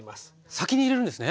先に入れるんですね。